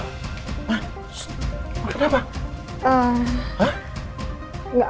ya allah aku sakit